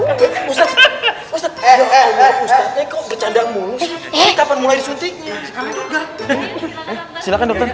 ustaz ustaz eh eh eh ustaznya kok bercanda mulu kita akan mulai suntiknya silahkan dokter ayo